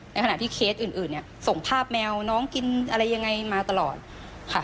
ในขณะที่เคสอื่นเนี่ยส่งภาพแมวน้องกินอะไรยังไงมาตลอดค่ะ